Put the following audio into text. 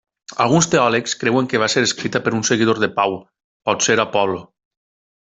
Alguns teòlegs creuen que va ser escrita per un seguidor de Pau, potser Apol·lo.